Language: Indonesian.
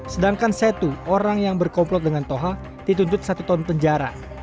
sedangkan setu orang yang berkomplot dengan toha dituntut satu tahun penjara